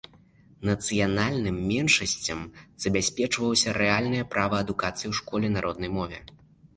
Нацыянальным меншасцям забяспечвалася рэальнае права адукацыі ў школе на роднай мове.